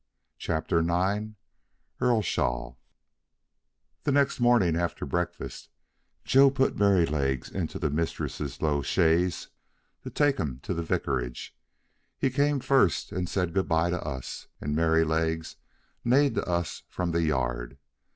CHAPTER IX EARLSHALL The next morning after breakfast, Joe put Merrylegs into the mistress' low chaise to take him to the vicarage; he came first and said good bye to us, and Merrylegs neighed to us from the yard.